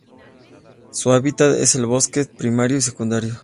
Su hábitat es el bosques, primario o secundario.